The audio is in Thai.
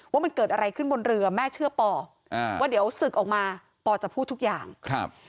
ว่ามันเกิดอะไรขึ้นบนเรือแม่เชื่อปออ่าว่าเดี๋ยวศึกออกมาปอจะพูดทุกอย่างครับ